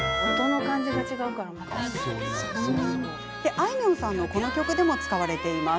あいみょんさんのこの曲でも使われているんです。